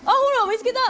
見つけた！